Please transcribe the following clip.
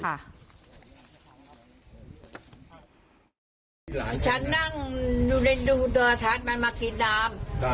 ฉันนั่งดูดาวซัมากรินน้ำ